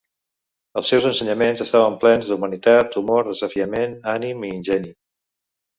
Els seus ensenyaments estaven plans d"humanitat, humor, desafiament, ànim i ingeni.